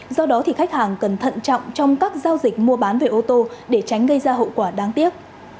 do đó thì khách hàng cần thận trọng trong các giao dịch mua bán về ô tô để tránh gây ra hậu quả đáng tiếc